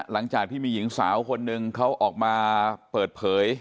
หลังจากที่มีหญิงสาวคนหนึ่งเขาออกมาเปิดเผย